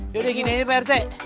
yaudah gini nih prt